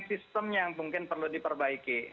sistem yang mungkin perlu diperbaiki